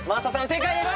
正解です。